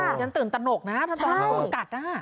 อย่างนั้นตื่นตนกนะถ้าเจ้าหน้างูกัดน่ะ